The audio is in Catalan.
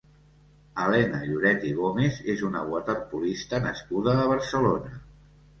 Helena Lloret i Gómez és una waterpolista nascuda a Barcelona.